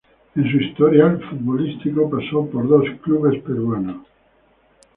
En su historial futbolístico pasó por dos clubes peruanos.